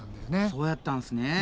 そうやったんすね。